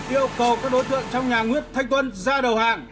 yêu cầu các đối tượng trong nhà nguyễn thanh tuân ra đầu hàng